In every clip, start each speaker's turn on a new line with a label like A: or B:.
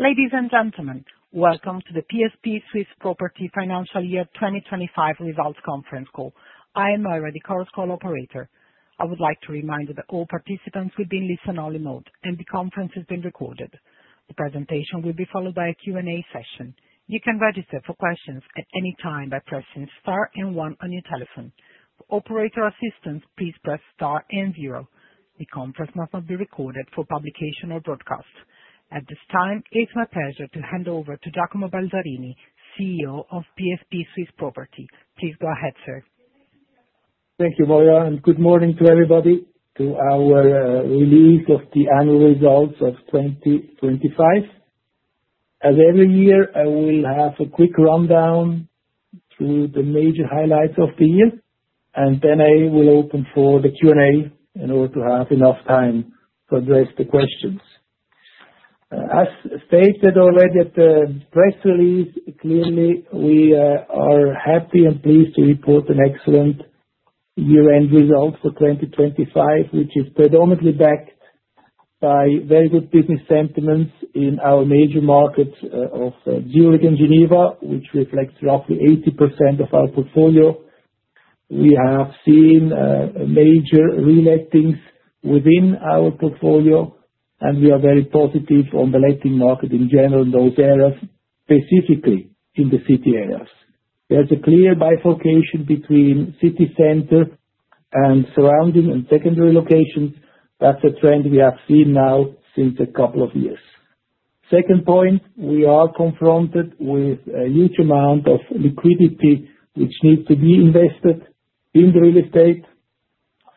A: Ladies and gentlemen, welcome to the PSP Swiss Property Financial Year 2025 Results Conference Call. I am Moira, the call operator. I would like to remind you that all participants will be in listen only mode, and the conference is being recorded. The presentation will be followed by a Q&A session. You can register for questions at any time by pressing star and one on your telephone. For operator assistance, please press star and zero. The conference must not be recorded for publication or broadcast. At this time, it's my pleasure to hand over to Giacomo Balzarini, CEO of PSP Swiss Property. Please go ahead, sir.
B: Thank you, Moira. Good morning to everybody, to our release of the annual results of 2025. As every year, I will have a quick rundown through the major highlights of the year. I will open for the Q&A in order to have enough time to address the questions. As stated already at the press release, clearly, we are happy and pleased to report an excellent year-end result for 2025, which is predominantly backed by very good business sentiments in our major markets of Zurich and Geneva, which reflects roughly 80% of our portfolio. We have seen major relettings within our portfolio. We are very positive on the letting market in general, in those areas, specifically in the city areas. There's a clear bifurcation between city center and surrounding and secondary locations. That's a trend we have seen now since a couple of years. Second point, we are confronted with a huge amount of liquidity, which needs to be invested in real estate.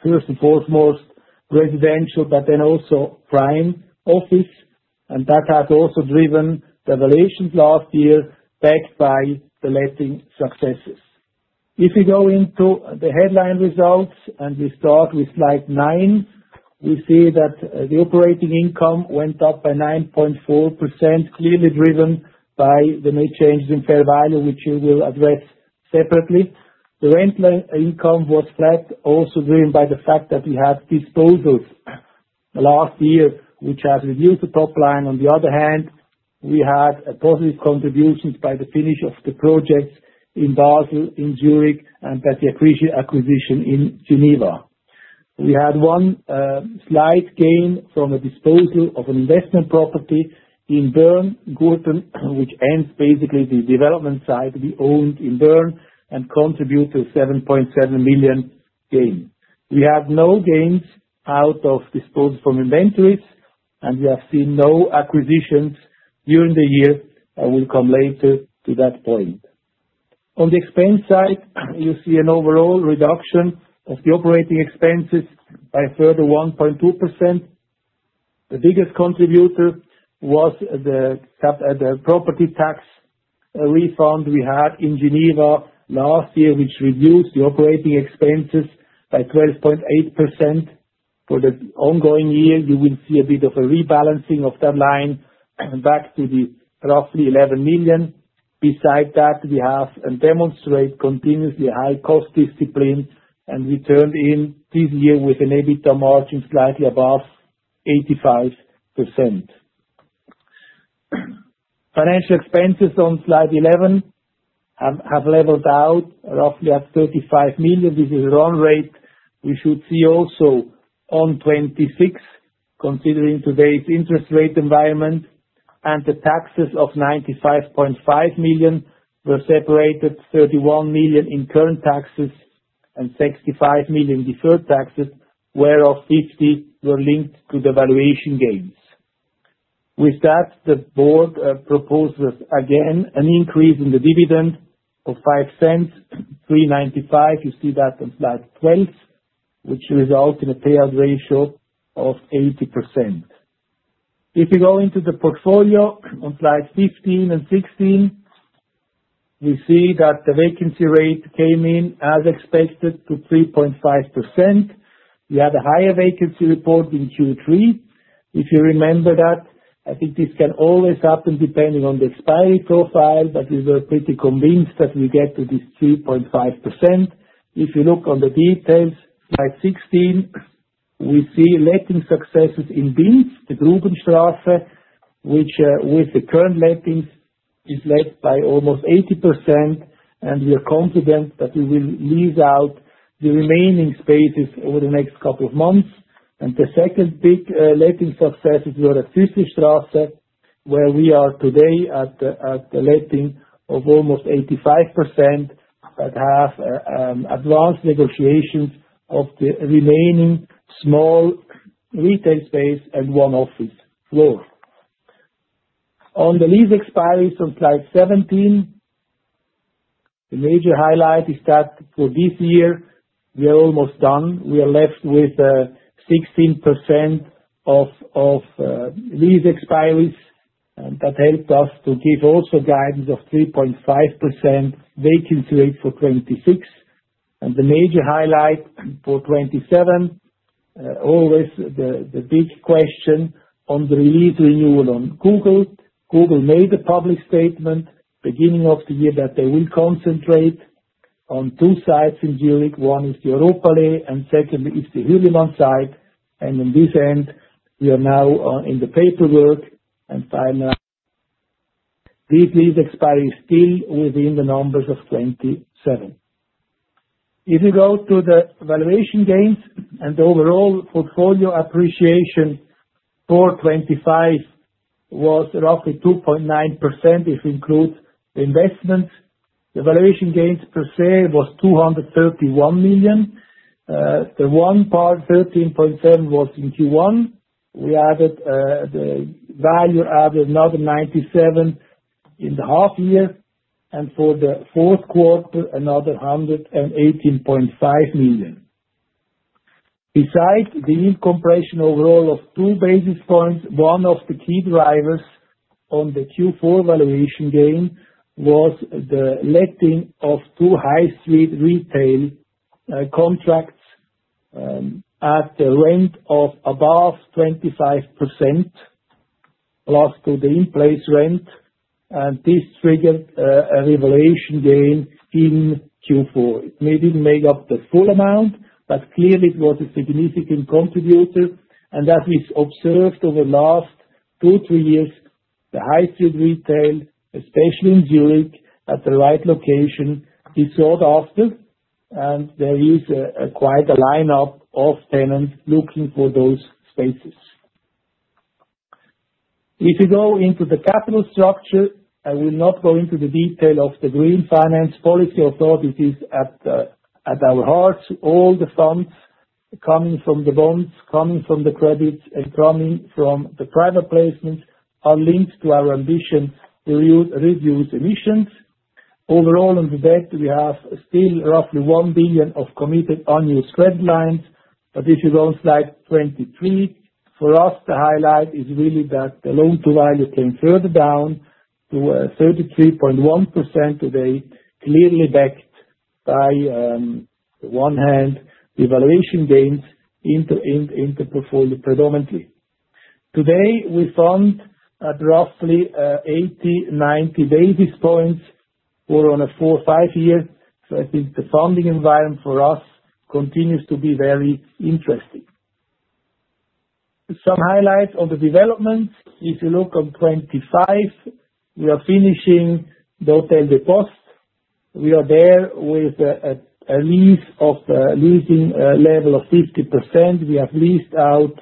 B: First and foremost, residential, but then also prime office, that has also driven the valuations last year, backed by the letting successes. If you go into the headline results, we start with slide nine, we see that the operating income went up by 9.4%, clearly driven by the new changes in fair value, which we will address separately. The rental income was flat, also driven by the fact that we had disposals last year, which has reduced the top line. On the other hand, we had a positive contributions by the finish of the projects in Basel, in Zurich, and by the acquisition in Geneva. We had one slight gain from a disposal of an investment property in Bern, Gurten, which ends basically the development site we owned in Bern, and contribute to 7.7 million gain. We have no gains out of disposed from inventories, and we have seen no acquisitions during the year. I will come later to that point. On the expense side, you see an overall reduction of the operating expenses by further 1.2%. The biggest contributor was the property tax refund we had in Geneva last year, which reduced the operating expenses by 12.8%. For the ongoing year, you will see a bit of a rebalancing of that line, and back to the roughly 11 million. Besides that, we have and demonstrate continuously high cost discipline. We turned in this year with an EBITDA margin slightly above 85%. Financial expenses on slide 11 have leveled out, roughly at 35 million. This is our own rate. We should see also on 26, considering today's interest rate environment. The taxes of 95.5 million were separated, 31 million in current taxes and 65 million deferred taxes, whereof 50 were linked to the valuation gains. With that, the board proposes again an increase in the dividend of 0.05 to 3.95. You see that on slide 12, which results in a payout ratio of 80%. If you go into the portfolio on slide 15 and 16, we see that the vacancy rate came in as expected to 3.5%. We had a higher vacancy report in Q3, if you remember that. I think this can always happen depending on the expiry profile, but we were pretty convinced that we get to this 3.5%. If you look on the details, slide 16, we see letting successes in Biel, the Güterstrasse, which, with the current lettings, is let by almost 80%, and we are confident that we will lease out the remaining spaces over the next couple of months. The second big letting success is your Fischerstrasse, where we are today at a letting of almost 85%, that have advanced negotiations of the remaining small retail space and one office floor. On the lease expiry on slide 17, the major highlight is that for this year we are almost done. We are left with 16% of lease expiries, and that helped us to give also guidance of 3.5% vacancy rate for 2026. The major highlight for 2027, always the big question on the lease renewal on Google. Google made a public statement beginning of the year that they will concentrate on two sites in Zurich. One is the Europaallee and secondly, is the Hürlimann-Areal site. On this end, we are now in the paperwork and final. This lease expiry is still within the numbers of 2027. If you go to the valuation gains and the overall portfolio appreciation for 2025 was roughly 2.9%, if you include the investment. The valuation gains per se was 231 million. The one part, 13.7, was in Q1. We added another 97 in the half year, and for the fourth quarter, another 118.5 million. Besides the yield compression overall of two basis points, one of the key drivers on the Q4 valuation gain was the letting of two high street retail contracts at a rent of above 25% plus to the in-place rent, and this triggered a revaluation gain in Q4. It may didn't make up the full amount, but clearly it was a significant contributor, and that is observed over the last two, three years. The high street retail, especially in Zurich, at the right location, is sought after, and there is quite a lineup of tenants looking for those spaces. If you go into the capital structure, I will not go into the detail of the green finance policy authorities at our heart. All the funds coming from the bonds, coming from the credits, and coming from the private placements, are linked to our ambition to reduce emissions. Overall, on the debt, we have still roughly 1 billion of committed unused credit lines. This is on slide 23. For us, the highlight is really that the loan to value came further down to 33.1% today, clearly backed by one hand, the valuation gains into portfolio predominantly. Today, we fund at roughly 80, 90 basis points over on a four, five year. I think the funding environment for us continues to be very interesting. Some highlights on the development. If you look on 25, we are finishing the Hotel des Postes. We are there with a lease of leasing level of 50%. We have leased out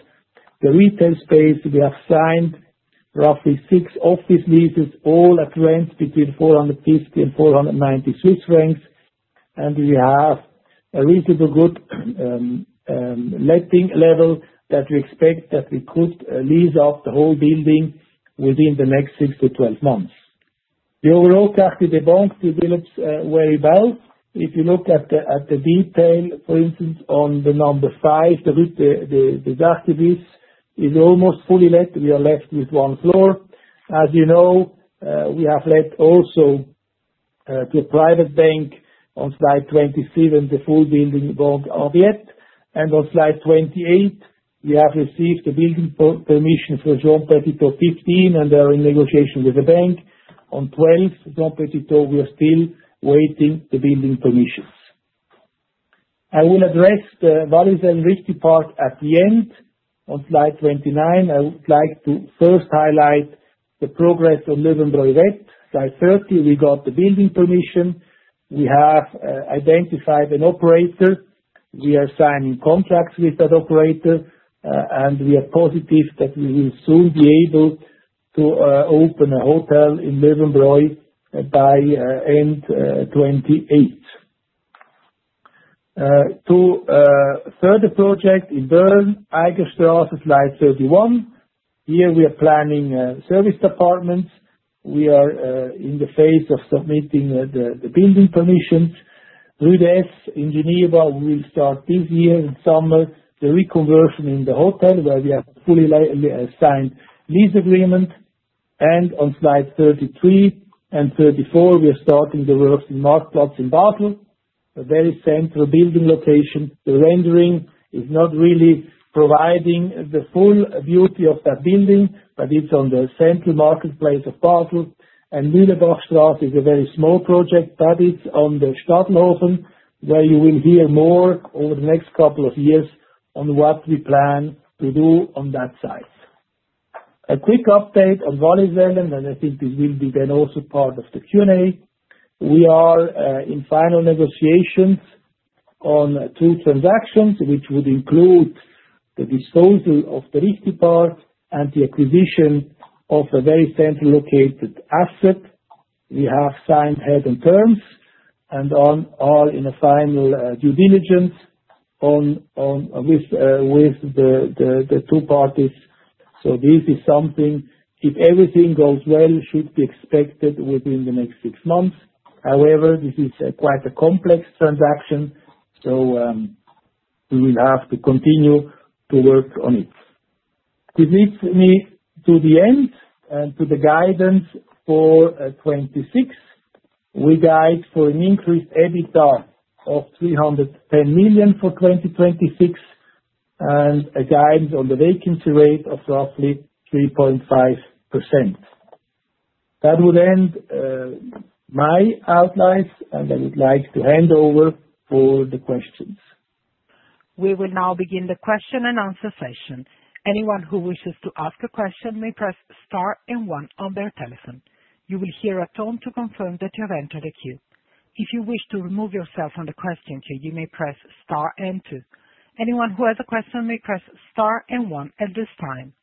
B: the retail space. We have signed roughly six office leases, all at rents between 450 Swiss francs and 490 Swiss francs, we have a reasonably good letting level that we expect that we could lease out the whole building within the next six to twelve months. The overall Quartier des Banques develops very well. If you look at the detail, for instance, on the number 5, the Darstowitz is almost fully let. We are left with one floor. As you know, we have let also to a private bank on slide 27, the full building Banque Aubert. On slide 28, we have received the building permission for Rue Jean-Petitot 15, and are in negotiation with the bank. On 12, Rue Jean-Petitot, we are still waiting the building permissions. I will address the Valais and Risky part at the end. On slide 29, I would like to first highlight the progress on Leuenberg. Slide 30, we got the building permission. We have identified an operator. We are signing contracts with that operator, and we are positive that we will soon be able to open a hotel in Leuenberg by end 28. To third project in Bern, Eigerstrasse, slide 31. Here we are planning service departments. We are in the phase of submitting the building permissions. Rue des in Geneva, we will start this year in summer, the reconversion in the hotel, where we have fully signed lease agreement. On slide 33 and 34, we are starting the works in Marktplatz in Basel, a very central building location. The rendering is not really providing the full beauty of that building, but it's on the central marketplace of Basel. Mühlestrassen is a very small project, but it's on the Staufenen, where you will hear more over the next couple of years on what we plan to do on that site. A quick update on Wallisellen, and I think this will be then also part of the Q&A. We are in final negotiations on two transactions, which would include the disposal of the Richti part and the acquisition of a very centrally located asset. We have signed head and terms, all in a final due diligence on with the two parties. This is something, if everything goes well, should be expected within the next six months. However, this is quite a complex transaction, we will have to continue to work on it. This leads me to the end and to the guidance for 2026. We guide for an increased EBITDA of 310 million for 2026, and a guide on the vacancy rate of roughly 3.5%. That would end my outlines, and I would like to hand over for the questions.
A: We will now begin the question and answer session. Anyone who wishes to ask a question may press star and one on their telephone. You will hear a tone to confirm that you have entered the queue. If you wish to remove yourself from the question queue, you may press star and two. Anyone who has a question may press star and one at this time.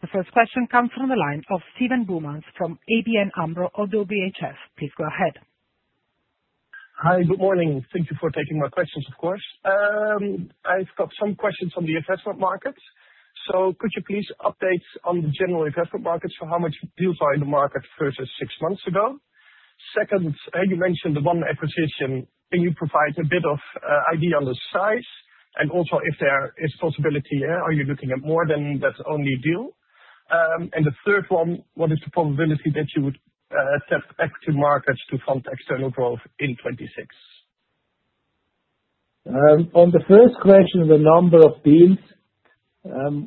A: The first question comes from the line of Steven Boumans from ABN AMRO-ODDO BHF. Please go ahead.
C: Hi, good morning. Thank you for taking my questions, of course. I've got some questions on the investment markets. Could you please update on the general investment markets, so how much deals are in the market versus six months ago? Second, you mentioned the one acquisition. Can you provide a bit of idea on the size, and also if there is possibility, are you looking at more than that only deal? The third one, what is the probability that you would accept equity markets to fund external growth in 2026?
B: On the first question, the number of deals,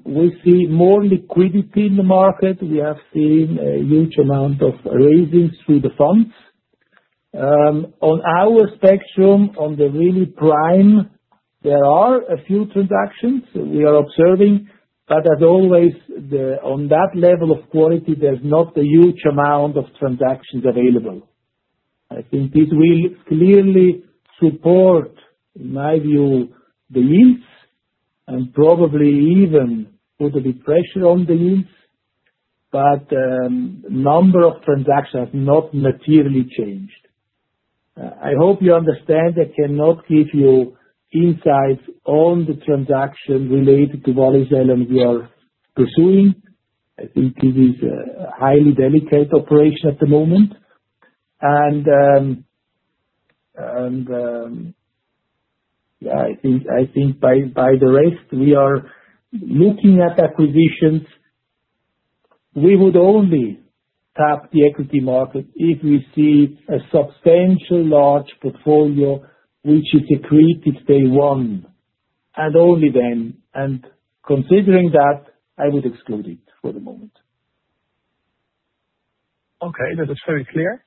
B: we see more liquidity in the market. We have seen a huge amount of raisings through the funds. On our spectrum, on the really prime, there are a few transactions we are observing, but as always, on that level of quality, there's not a huge amount of transactions available. I think this will clearly support, in my view, the leads, and probably even put a bit pressure on the leads. Number of transactions have not materially changed. I hope you understand, I cannot give you insights on the transaction related to Wallisellen we are pursuing. I think this is a highly delicate operation at the moment. Yeah, I think by the rest, we are looking at acquisitions. We would only tap the equity market if we see a substantial large portfolio which is accretive day one, and only then. Considering that, I would exclude it for the moment.
C: Okay, that is very clear.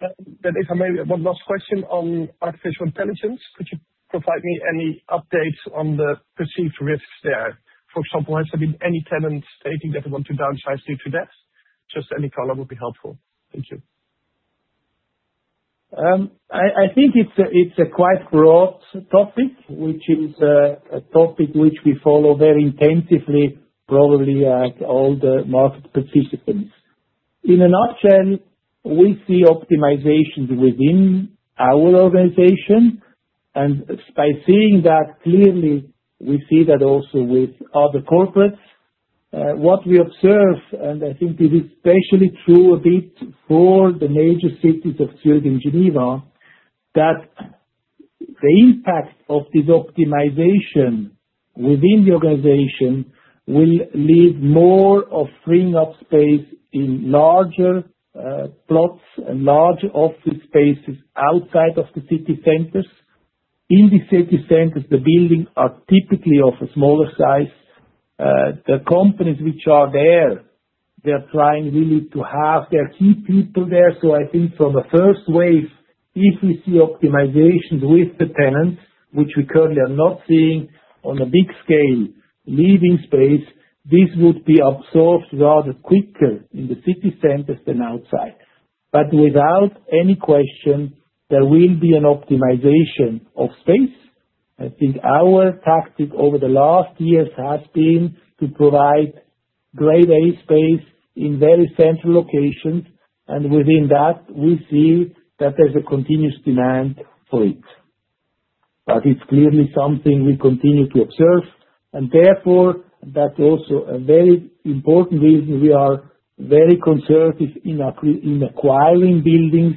C: If I may, one last question on artificial intelligence. Could you provide me any updates on the perceived risks there? For example, has there been any tenants stating that they want to downsize due to that? Just any color would be helpful. Thank you.
B: I think it's a quite broad topic, which is a topic which we follow very intensively, probably like all the market participants. In a nutshell, we see optimizations within our organization. By seeing that, clearly we see that also with other corporates. What we observe, I think this is especially true a bit for the major cities of Zurich and Geneva, that the impact of this optimization within the organization will leave more of freeing up space in larger plots and larger office spaces outside of the city centers. In the city centers, the buildings are typically of a smaller size. The companies which are there, they're trying really to have their key people there. I think from a first wave, if we see optimizations with the tenants, which we currently are not seeing on a big scale, leaving space, this would be absorbed rather quicker in the city centers than outside. Without any question, there will be an optimization of space. I think our tactic over the last years has been to provide grade A space in very central locations, and within that, we see that there's a continuous demand for it. It's clearly something we continue to observe, and therefore, that's also a very important reason we are very conservative in acquiring buildings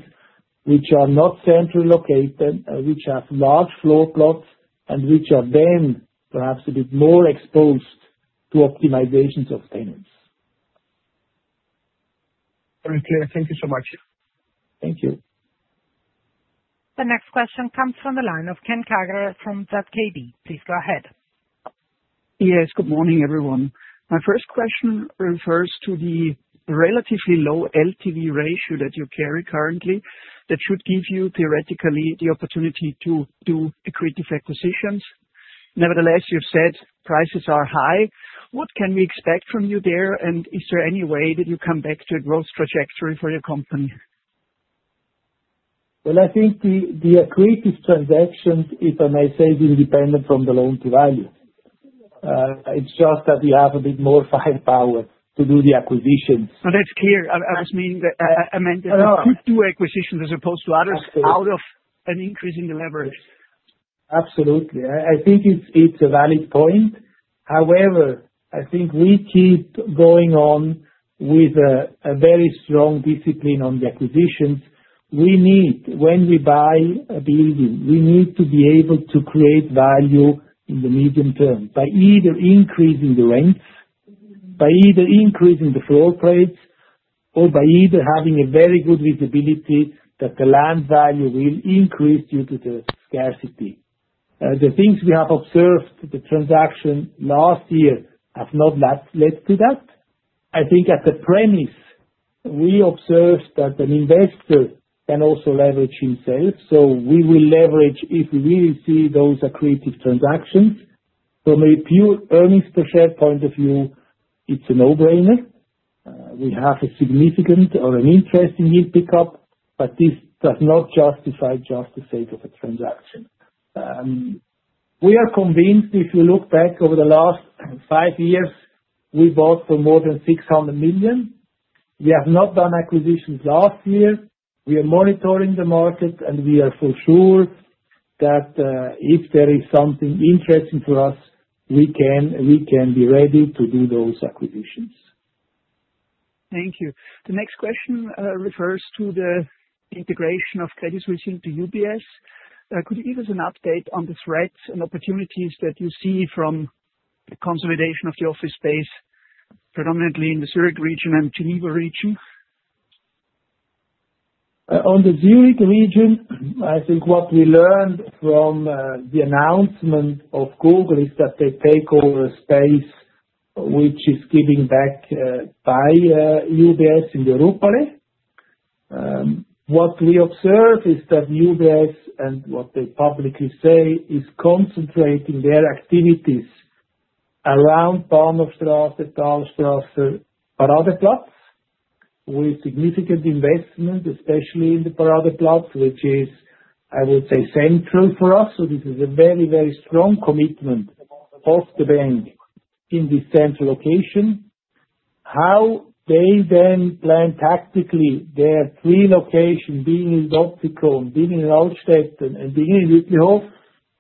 B: which are not centrally located, which have large floor plots, and which are then perhaps a bit more exposed to optimizations of tenants.
C: Very clear. Thank you so much.
B: Thank you.
A: The next question comes from the line of Ken Kagerer from ZKB. Please go ahead.
D: Yes, good morning, everyone. My first question refers to the relatively low LTV ratio that you carry currently, that should give you, theoretically, the opportunity to do accretive acquisitions. Nevertheless, you've said prices are high. What can we expect from you there? Is there any way that you come back to a growth trajectory for your company?
B: Well, I think the accretive transactions, if I may say, will depend on from the loan-to-value. It's just that we have a bit more firepower to do the acquisitions.
D: No, that's clear. I just mean the could do acquisitions as opposed to others
B: Absolutely.
D: Out of an increase in the leverage.
B: Absolutely. I think it's a valid point. However, I think we keep going on with a very strong discipline on the acquisitions. We need, when we buy a building, we need to be able to create value in the medium term, by either increasing the rents, by either increasing the floor price, or by either having a very good visibility that the land value will increase due to the scarcity. The things we have observed, the transaction last year have not led to that. I think at the premise, we observed that an investor can also leverage himself, so we will leverage if we really see those accretive transactions. From a pure earnings per share point of view, it's a no-brainer. We have a significant or an interest in yield pickup, but this does not justify just the sake of a transaction. We are convinced, if you look back over the last five years, we bought for more than 600 million. We have not done acquisitions last year. We are monitoring the market, and we are for sure that if there is something interesting to us, we can, we can be ready to do those acquisitions.
D: Thank you. The next question, refers to the integration of Credit Suisse into UBS. Could you give us an update on the threats and opportunities that you see from the consolidation of the office space, predominantly in the Zurich region and Geneva region?
B: On the Zurich region, I think what we learned from the announcement of Google is that they take over space, which is giving back by UBS in the Uetlihof. What we observe is that UBS and what they publicly say, is concentrating their activities around Bahnhofstrasse, Paradeplatz, with significant investment, especially in the Paradeplatz, which is, I would say, central for us. This is a very, very strong commitment of the bank in this central location. How they then plan tactically their three location, being in Oerlikon, being in Uitkijk and being in Uetliberg,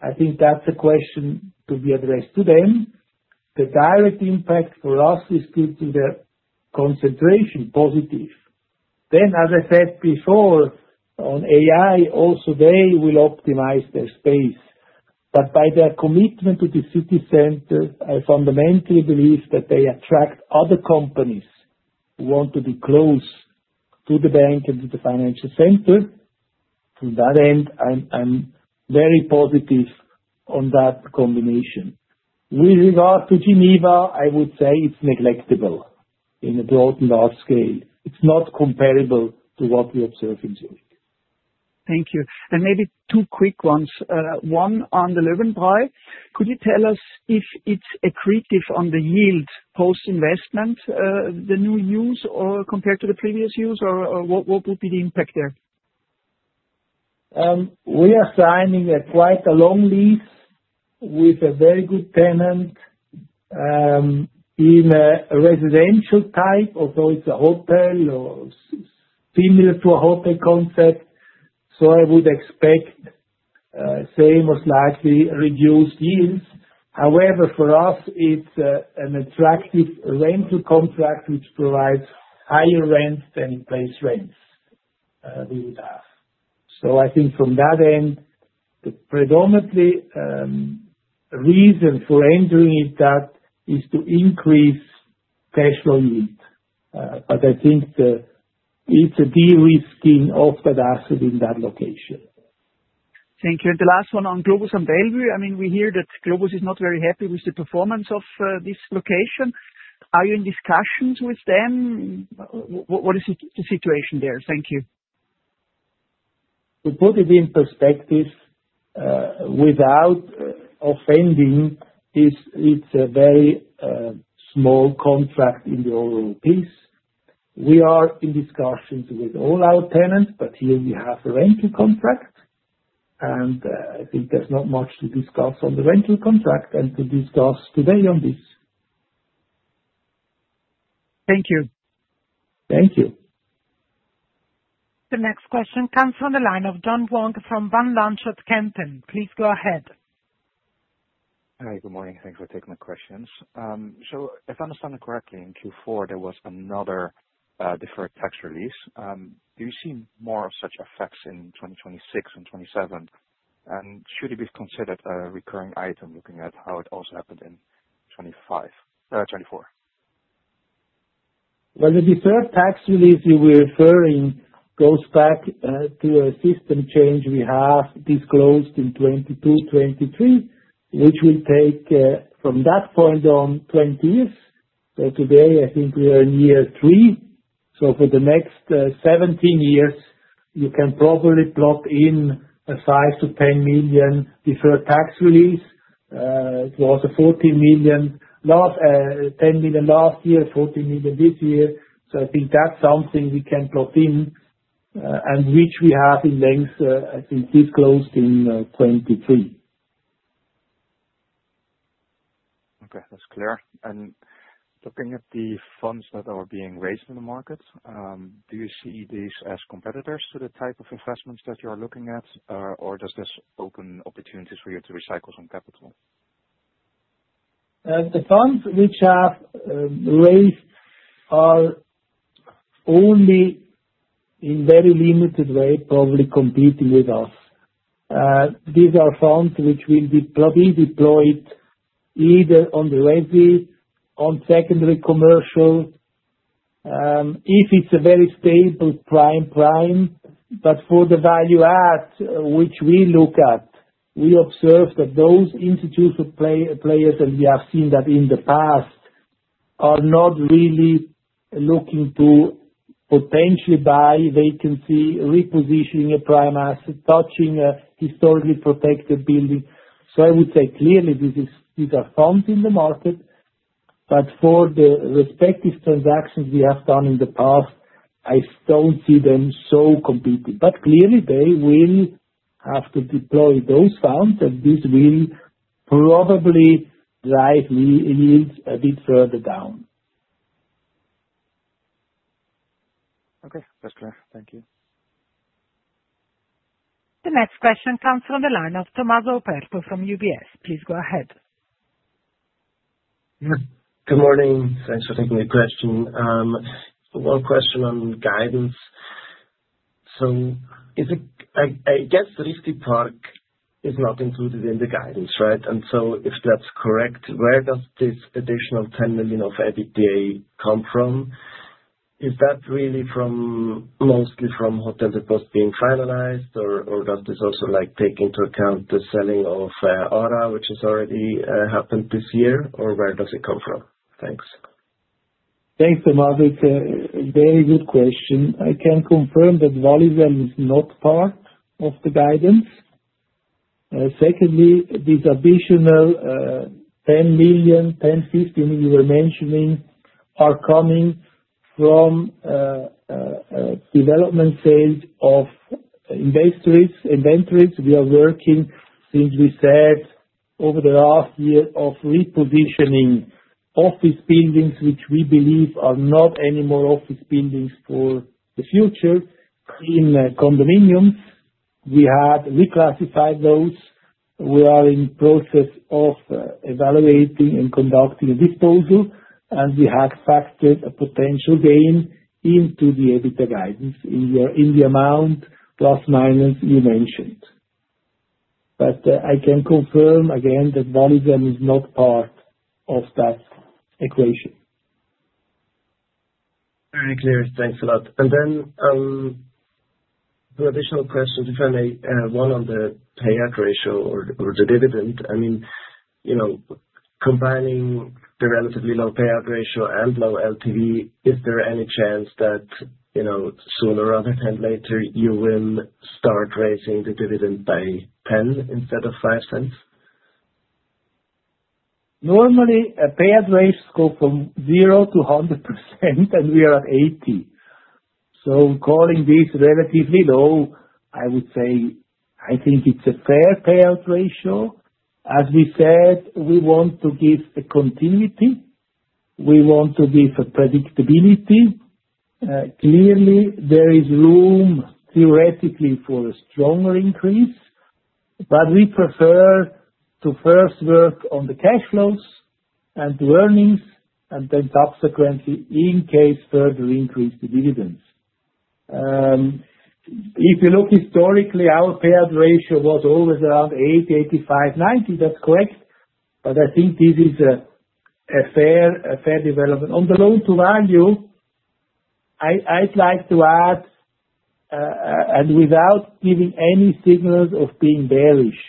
B: I think that's a question to be addressed to them. The direct impact for us is due to the concentration positive. As I said before, on AI, also, they will optimize their space. By their commitment to the city center, I fundamentally believe that they attract other companies who want to be close to the bank and to the financial center. To that end, I'm very positive on that combination. With regard to Geneva, I would say it's neglectable in a broad, large scale. It's not comparable to what we observe in Zurich.
D: Thank you. Maybe two quick ones. one on the Löwenbräu-Areal. Could you tell us if it's accretive on the yield post-investment, the new use or compared to the previous use or what will be the impact there?
B: We are signing a quite a long lease with a very good tenant, in a residential type, although it's a hotel or similar to a hotel concept. I would expect same or slightly reduced yields. However, for us, it's an attractive rental contract which provides higher rents than in place rents we would have. I think from that end, the predominantly reason for entering it, that is to increase cash flow yield. I think the, it's a de-risking of that asset in that location.
D: Thank you. The last one on Globus on Bellevue. I mean, we hear that Globus is not very happy with the performance of this location. Are you in discussions with them? What is the situation there? Thank you.
B: To put it in perspective, without offending, it's a very small contract in the overall piece. We are in discussions with all our tenants, but here we have a rental contract, and I think there's not much to discuss on the rental contract and to discuss today on this.
D: Thank you.
B: Thank you.
A: The next question comes from the line of John Wong from Bank of America. Please go ahead.
E: Hi, good morning. Thanks for taking my questions. If I understand it correctly, in Q4, there was another deferred tax release. Do you see more of such effects in 2026 and 2027? Should it be considered a recurring item, looking at how it also happened in 2025, 2024?
B: The deferred tax release you were referring goes back to a system change we have disclosed in 2022, 2023, which will take from that point on, 20 years. Today I think we are in year three, so for the next 17 years, you can probably plug in a CHF five to 10 million deferred tax release. It was a 40 million last, 10 million last year, 40 million this year. I think that's something we can plug in, and which we have in length, I think disclosed in 2023.
E: Okay, that's clear. Looking at the funds that are being raised in the market, do you see these as competitors to the type of investments that you're looking at, or does this open opportunities for you to recycle some capital?
B: The funds which are raised are only in very limited way, probably competing with us. These are funds which will be probably deployed either on the resi, on secondary commercial, if it's a very stable prime, but for the value add, which we look at, we observe that those institutes of players, and we have seen that in the past, are not really looking to potentially buy vacancy, repositioning a prime asset, touching a historically protected building. I would say, clearly this is, these are funds in the market, but for the respective transactions we have done in the past, I don't see them so competing. Clearly they will have to deploy those funds, and this will probably drive yields a bit further down.
E: Okay, that's clear. Thank you.
A: The next question comes from the line of Tommaso Operto from UBS. Please go ahead.
F: Good morning. Thanks for taking the question. One question on guidance. Risky Park is not included in the guidance, right? If that's correct, where does this additional 10 million of EBITDA come from? Is that really from, mostly from hotel that was being finalized? Does this also, like, take into account the selling of Aura, which has already happened this year? Or where does it come from? Thanks.
B: Thanks, Tommaso. It's a very good question. I can confirm that Voluben is not part of the guidance. Secondly, this additional 10 million-15 million you were mentioning, are coming from development sales of industries, inventories. We are working, since we said over the last year of repositioning office buildings, which we believe are not any more office buildings for the future. In condominiums, we had reclassified those. We are in process of evaluating and conducting a disposal, and we have factored a potential gain into the EBITDA guidance in the amount plus, minus, you mentioned. I can confirm again that Voluben is not part of that equation.
F: Very clear. Thanks a lot. Two additional questions, if I may. One on the payout ratio or the dividend. I mean, you know, combining the relatively low payout ratio and low LTV, is there any chance that, you know, sooner rather than later, you will start raising the dividend by 0.10 instead of 0.05?
B: Normally, a payout ratios go from 0% to 100%, we are at 80. Calling this relatively low, I would say, I think it's a fair payout ratio. As we said, we want to give a continuity, we want to give a predictability. Clearly, there is room, theoretically, for a stronger increase, we prefer to first work on the cash flows and the earnings, subsequently, in case, further increase the dividends. If you look historically, our payout ratio was always around 80, 85, 90. That's correct. I think this is a fair development. On the loan-to-value, I'd like to add, without giving any signals of being bearish,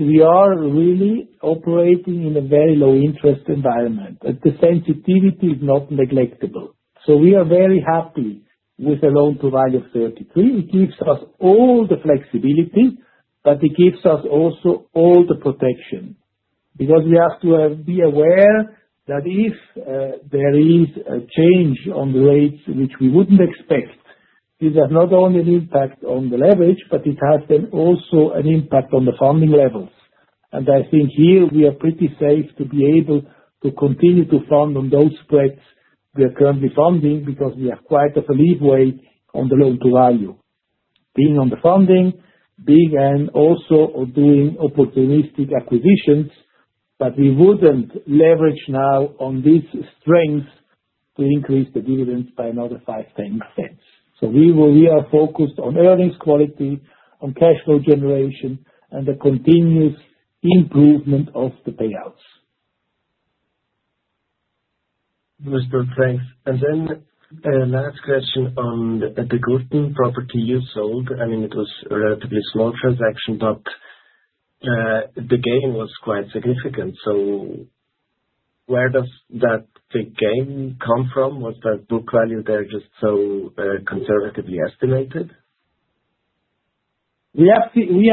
B: we are really operating in a very low interest environment, the sensitivity is not neglectable. We are very happy with the loan-to-value of 33. It gives us all the flexibility, but it gives us also all the protection. We have to be aware that if there is a change on the rates, which we wouldn't expect, it has not only an impact on the leverage, but it has then also an impact on the funding levels. I think here we are pretty safe to be able to continue to fund on those spreads we are currently funding, because we have quite of a lead way on the loan-to-value. Being on the funding, being and also doing opportunistic acquisitions, but we wouldn't leverage now on this strength to increase the dividends by another 0.05, CHF 0.10. We are focused on earnings quality, on cashflow generation, and the continuous improvement of the payouts.
F: Mr. Thanks. Last question on the Güterstrasse property you sold. I mean, it was a relatively small transaction, but, the gain was quite significant. Where does the gain come from? Was the book value there just so, conservatively estimated?
B: We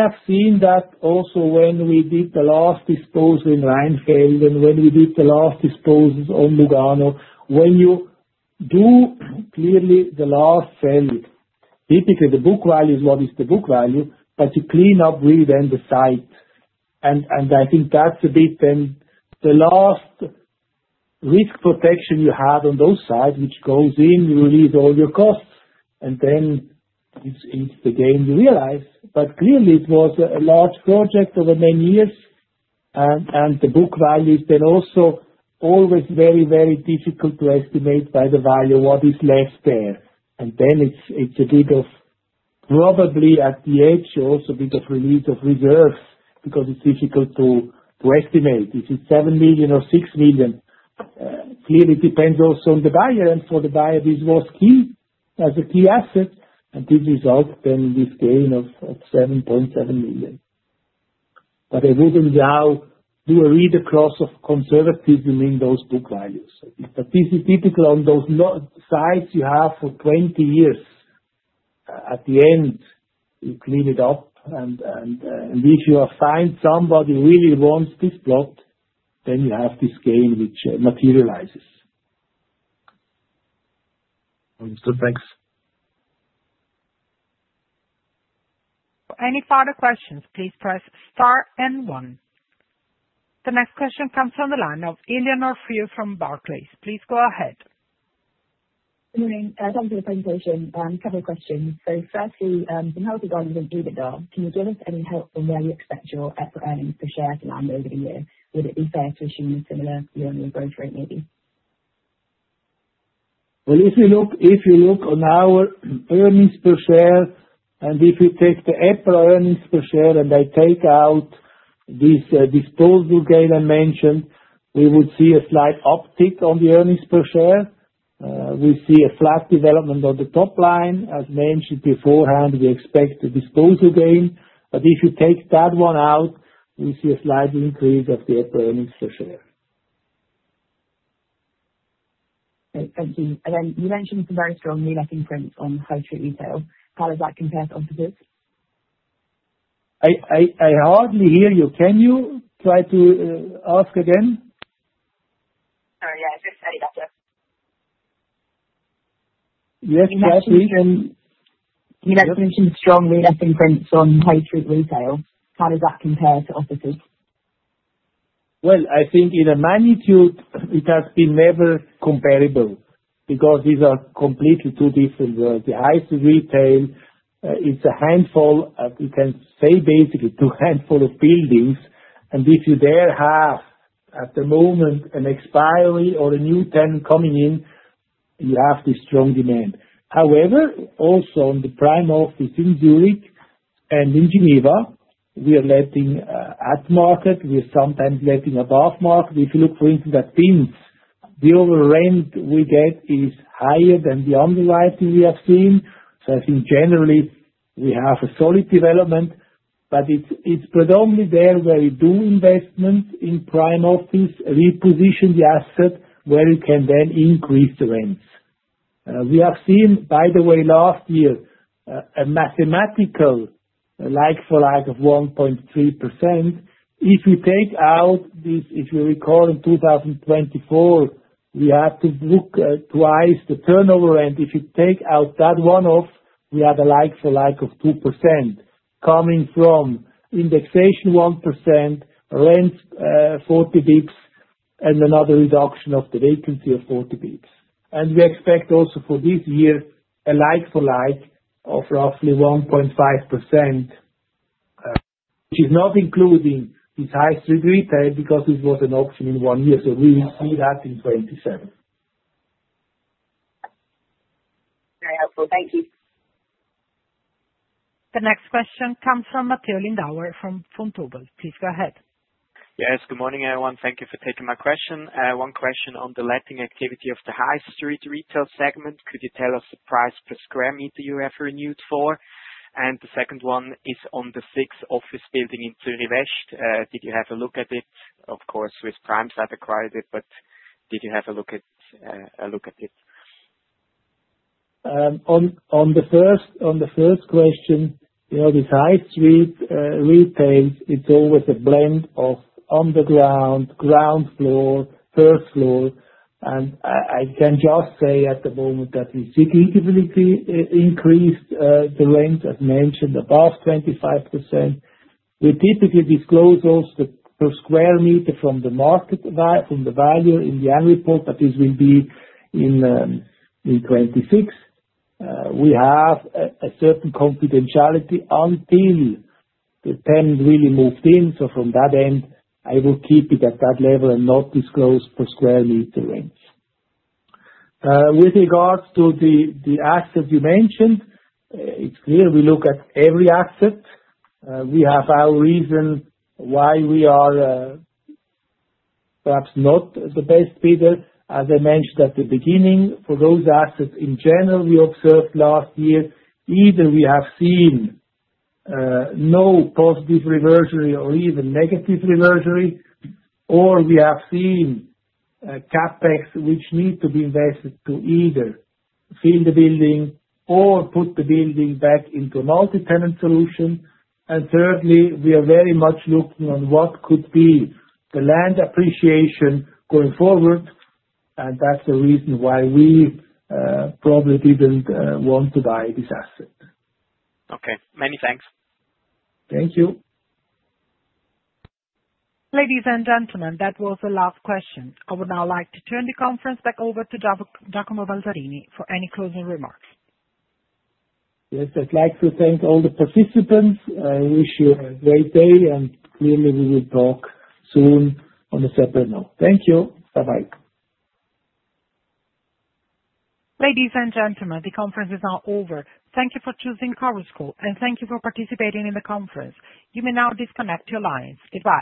B: have seen that also when we did the last disposal in Rheinfelden, and when we did the last disposals on Lugano. When you do clearly the last sale, typically the book value is what is the book value, but you clean up really then the site. I think that's a bit then the last risk protection you have on those sites, which goes in, you release all your costs, and then it's the gain you realize. Clearly, it was a large project over many years. The book value is then also always very, very difficult to estimate by the value, what is less there. Then it's a bit of probably at the edge, also because release of reserve, because it's difficult to estimate. Is it 7 million or 6 million? Clearly depends also on the buyer, and for the buyer, this was key, as a key asset, and this result then this gain of 7.7 million. I wouldn't now do a read across of conservatism in those book values. This is typical on those sites you have for 20 years. At the end, you clean it up, and if you find somebody really wants this plot, then you have this gain which materializes.
F: Thanks.
A: Any further questions, please press star 1. The next question comes from the line of Eleanor Frew from Barclays. Please go ahead.
G: Good morning, thanks for the presentation. Couple of questions. Firstly, can you help with? Can you give us any help on where you expect your EPRA earnings per share to land over the year? Would it be fair to assume similar yearly growth rate, maybe?
B: Well, if you look on our earnings per share, and if you take the EPRA earnings per share, and I take out this disposal gain I mentioned, we would see a slight uptick on the earnings per share. We see a flat development on the top line. As mentioned beforehand, we expect a disposal gain, but if you take that one out, we see a slight increase of the earnings per share.
G: Thank you. You mentioned it's a very strong lead imprint on high street retail. How does that compare to offices?
B: I hardly hear you. Can you try to ask again?
G: Oh, yeah. Just inaudible.
B: Yes, certainly.
G: You mentioned strongly less imprint on high street retail. How does that compare to offices?
B: I think in a magnitude, it has been never comparable, because these are completely two different worlds. The high street retail is a handful, we can say basically two handful of buildings, and if you there have, at the moment, an expiry or a new tenant coming in, you have this strong demand. However, also in the prime office in Zurich and in Geneva, we are letting at market, we are sometimes letting above market. If you look for instance, at pins, the overall rent we get is higher than the underlying we have seen. I think generally we have a solid development, but it's predominantly there, where we do investment in prime office, reposition the asset, where we can then increase the rents. We have seen, by the way, last year, a mathematical like-for-like of 1.3%. If you take out this, if you recall, in 2024, we have to look, twice the turnover, and if you take out that one-off, we have a like-for-like of 2% coming from indexation 1%, rents, 40 basis points, and another reduction of the vacancy of 40 basis points. We expect also for this year, a like-for-like of roughly 1.5%, which is not including this high street retail, because this was an option in one year, so we will see that in 2027.
G: Very helpful. Thank you.
A: The next question comes from Matteo Lindauer, from Vontobel. Please go ahead.
H: Yes, good morning, everyone. Thank you for taking my question. One question on the letting activity of the high street retail segment, could you tell us the price per sq m you have renewed for? The second one is on the sixth office building. Did you have a look at it? Of course, Swiss Prime have acquired it, but did you have a look at it?
B: On the first question, you know, this high street retail, it's always a blend of underground, ground floor, first floor. I can just say at the moment that we significantly increased the rent, as mentioned, above 25%. We typically disclose those the per sq m from the market from the value in the annual report. This will be in 2026. We have a certain confidentiality until the tenant really moved in. From that end, I will keep it at that level and not disclose per sq m range. With regards to the asset you mentioned, it's clear we look at every asset. We have our reasons why we are perhaps not the best bidder. As I mentioned at the beginning, for those assets in general, we observed last year, either we have seen no positive reversionary or even negative reversionary, or we have seen CapEx, which need to be invested to either fill the building or put the building back into a multi-tenant solution. Thirdly, we are very much looking on what could be the land appreciation going forward, and that's the reason why we probably didn't want to buy this asset.
H: Okay. Many thanks.
B: Thank you.
A: Ladies and gentlemen, that was the last question. I would now like to turn the conference back over to Giacomo Balzarini for any closing remarks.
B: Yes, I'd like to thank all the participants. I wish you a great day, and clearly, we will talk soon on a separate note. Thank you. Bye-bye.
A: Ladies and gentlemen, the conference is now over. Thank you for choosing Chorus Call, and thank you for participating in the conference. You may now disconnect your lines. Goodbye.